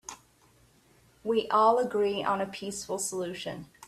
We all agree on a peaceful solution.